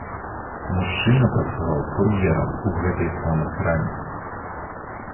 Мужчына працаваў кур'ерам у гэтай самай краме.